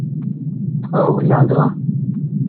Oh ! il y a un grain !